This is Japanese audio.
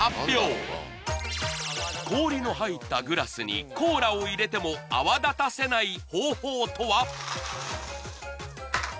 氷の入ったグラスにコーラを入れても泡立たせない方法とは？